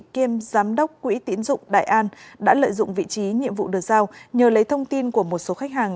kiêm giám đốc quỹ tiến dụng đại an đã lợi dụng vị trí nhiệm vụ được giao nhờ lấy thông tin của một số khách hàng